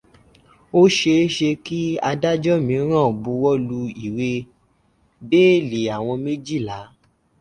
Ó ṣeéṣe kí adájọ́ míràn buwọ́lu ìwé béèlì àwọn méjìlá.